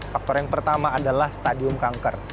faktor yang pertama adalah stadium kanker